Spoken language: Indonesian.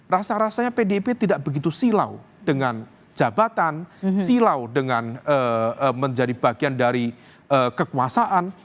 rasa rasanya pdip tidak begitu silau dengan jabatan silau dengan menjadi bagian dari kekuasaan